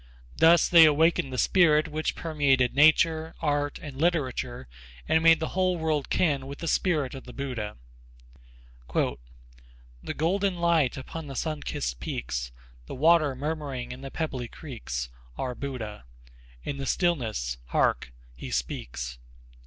Thus they awakened the spirit which permeated nature, art and literature and made the whole world kin with the spirit of the Buddha. "The golden light upon the sunkist peaks, The water murmuring in the pebbly creeks, Are Buddha. In the stillness, hark, he speaks!"